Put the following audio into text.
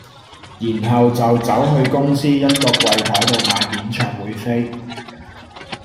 然後就走去公司一個櫃檯度買演唱會飛